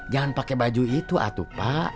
jangan pake baju itu atuh pak